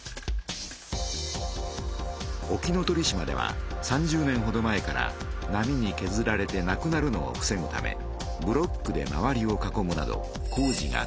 沖ノ鳥島では３０年ほど前から波にけずられて無くなるのをふせぐためブロックで周りを囲むなど工事が続けられています。